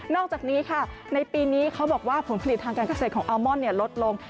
อกจากนี้ค่ะในปีนี้เขาบอกว่าผลผลิตทางการเกษตรของอัลมอนลดลง